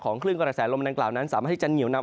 คลื่นกระแสลมดังกล่าวนั้นสามารถที่จะเหนียวนำ